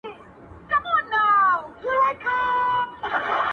باندي خپل سـر ولمــه ســر مـــاتــــــــوم.